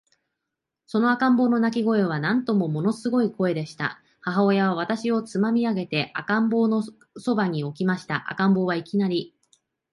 その赤ん坊の泣声は、なんとももの凄い声でした。母親は私をつまみ上げて、赤ん坊の傍に置きました。赤ん坊は、いきなり、